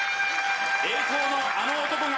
栄光のあの男が